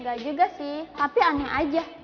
enggak juga sih tapi aneh aja